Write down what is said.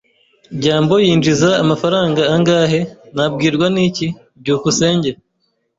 "byambo yinjiza amafaranga angahe?" "Nabwirwa n'iki?" byukusenge